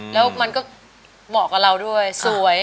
แล้วมันก็เหมาะกับเราด้วยสวย